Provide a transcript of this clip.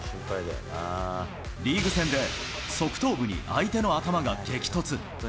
リーグ戦で側頭部に相手の頭が激突。